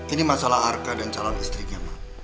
ini masalah arka dan calon istrinya mbak